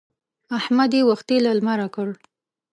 احمد يې وختي له لمره کړ.